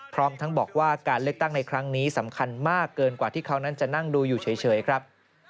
พร้อมทั้งบอกว่าการเลือกตั้งในครั้งนี้สำคัญมากเกินกว่าที่เขานั้นจะนั่งดูอยู่เฉยครับ